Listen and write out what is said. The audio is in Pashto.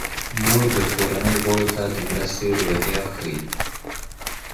مور د کورنۍ غړو ته د مرستې روحیه ښيي.